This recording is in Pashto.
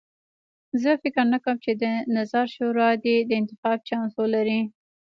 زه فکر نه کوم چې د نظار شورا دې د انتخاب چانس ولري.